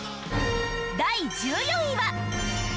第１４位は。